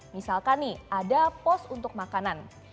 misalkan nih ada pos untuk makanan